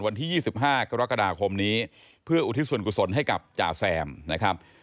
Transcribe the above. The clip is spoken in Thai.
วันที่๒๕กรกฎาคมนี้เพื่ออุทิศส่วนกุศลให้กับจ่าแซมนะครับ